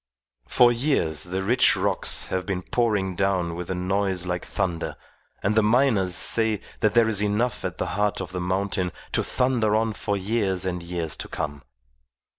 For years the rich rocks have been pouring down with a noise like thunder, and the miners say that there is enough at the heart of the mountain to thunder on for years and years to come.